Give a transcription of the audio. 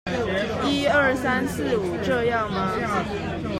一二三四五，這樣嗎？